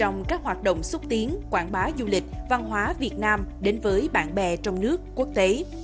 đồng hành cùng các hoạt động xúc tiến quảng bá du lịch văn hóa việt nam đến với bạn bè trong nước quốc tế